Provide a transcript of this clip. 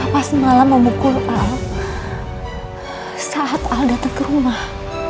hai apa semalam memukul al saat al datang ke rumah